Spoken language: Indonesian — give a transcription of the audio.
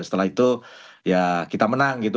setelah itu ya kita menang gitu